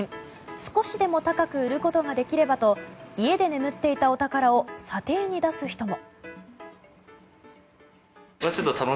少しでも高く売ることができればと家で眠っていたお宝を査定に出す人も。